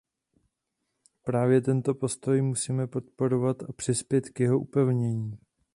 Právě tento postoj musíme podporovat a přispět k jeho upevnění.